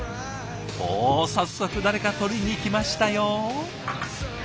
お早速誰か取りに来ましたよ。